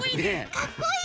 かっこいい。